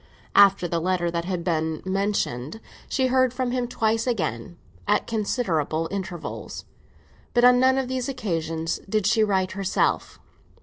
After the letter that has been mentioned, she heard from him twice again, at considerable intervals; but on none of these occasions did she write herself.